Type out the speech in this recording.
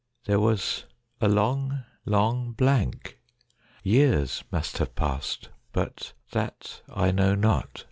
There was a long, long blank. Years must have passed : but that I know not.